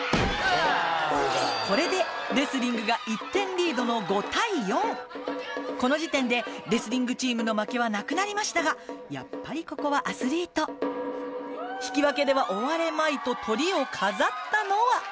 これでレスリングが１点リードの５対４この時点でレスリングチームの負けはなくなりましたがやっぱりここはアスリート引き分けでは終われまいとトリを飾ったのは？